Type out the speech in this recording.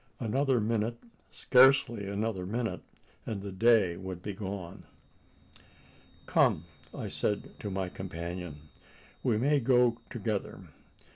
Another minute scarcely another minute and the day would be done. "Come!" I said to my companion, "we may go together.